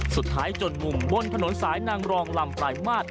สุดท้ายจนมุมม่นถนนสายนางรองลำปลายมาตร